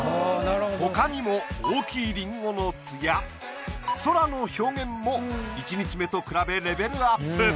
他にも大きいりんごのつや空の表現も１日目と比べレベルアップ。